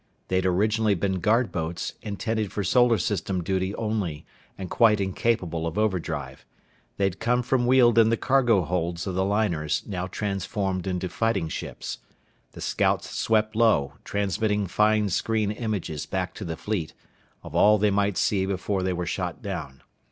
They'd originally been guard boats, intended for solar system duty only and quite incapable of overdrive. They'd come from Weald in the cargo holds of the liners now transformed into fighting ships. The scouts swept low, transmitting fine screen images back to the fleet, of all they might see before they were shot down.